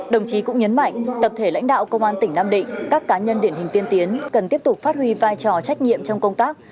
đồng chí cũng nhấn mạnh tập thể lãnh đạo công an tỉnh nam định các cá nhân điển hình tiên tiến cần tiếp tục phát huy vai trò trách nhiệm trong công tác